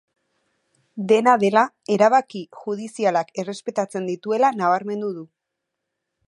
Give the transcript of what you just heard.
Dena dela, erabaki judizialak errespetatzen dituela nabarmendu du.